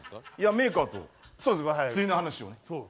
メーカーと釣りの話をね。